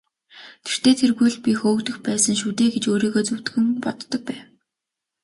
Тэртэй тэргүй л би хөөгдөх байсан шүү дээ гэж өөрийгөө зөвтгөн боддог байв.